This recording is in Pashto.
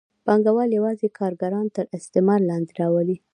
پانګوال یوازې کارګران تر استثمار لاندې راولي.